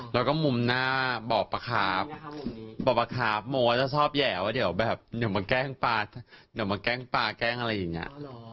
แล้วก็มุมหน้าบอกประคาบบอกประคาบโมชอบแย๋วเดี๋ยวแบบเดี๋ยวมาแกล้งปลาแกล้งอะไรอย่างเงี้ย